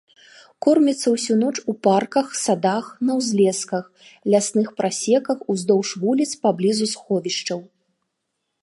Корміцца ўсю ноч у парках, садах, на ўзлесках, лясных прасеках, уздоўж вуліц паблізу сховішчаў.